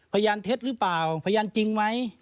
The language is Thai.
พยานเท็จหรือเปล่าพยานจริงไหม